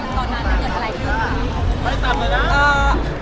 ไม่มีลูกค้าเนาะ